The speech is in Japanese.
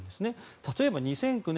例えば２００９年